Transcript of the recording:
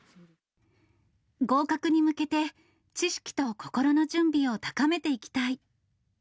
合格に向けて、知識と心の準備を高めていきたい。